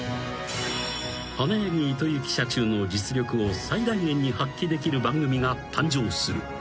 ［花柳糸之社中の実力を最大限に発揮できる番組が誕生する。